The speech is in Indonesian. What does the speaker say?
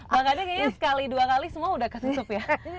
bang kade kayaknya sekali dua kali semua udah ketutup ya